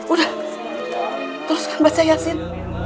udah teruskan baca yasin